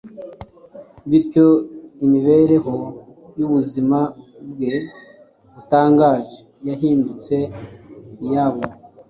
bityo imibereho y’ubuzima bwe butangaje yahindutse iyabo.